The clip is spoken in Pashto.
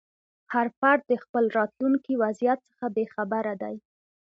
هر فرد د خپل راتلونکي وضعیت څخه بې خبره دی.